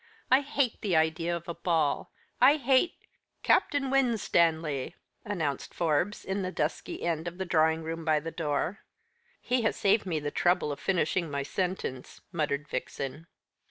"I hate the idea of a ball I hate " "Captain Winstanley," announced Forbes, in the dusky end of the drawing room by the door. "He has saved me the trouble of finishing my sentence," muttered Vixen.